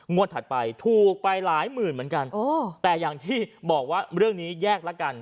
ถัดไปถูกไปหลายหมื่นเหมือนกันแต่อย่างที่บอกว่าเรื่องนี้แยกละกัน